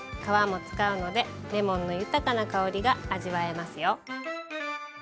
皮も使うのでレモンの豊かな香りが味わえますよ。